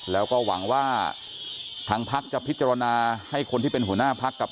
แล้วก็หวังว่าทางพักจะพิจารณาให้คนที่เป็นหัวหน้าพักกับ